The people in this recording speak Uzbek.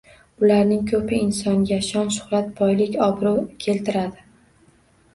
Ularning ko‘pi insonga shon-shuhrat, boylik, obro‘ keltiradi.